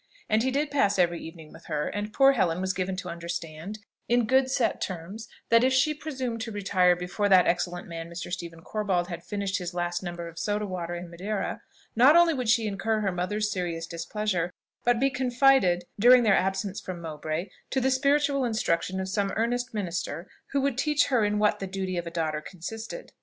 And he did pass every evening with her: and poor Helen was given to understand, in good set terms, that if she presumed to retire before that excellent man Mr. Stephen Corbold had finished his last tumbler of soda water and Madeira, not only would she incur her mother's serious displeasure, but be confided (during their absence from Mowbray) to the spiritual instruction of some earnest minister, who would teach her in what the duty of a daughter consisted.